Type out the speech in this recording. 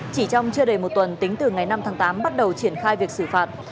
chỉ trong chưa đầy một tuần tính từ ngày năm tháng tám bắt đầu triển khai việc xử phạt